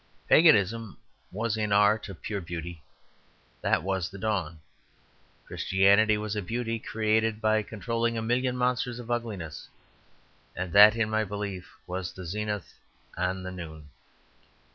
Paganism was in art a pure beauty; that was the dawn. Christianity was a beauty created by controlling a million monsters of ugliness; and that in my belief was the zenith and the noon.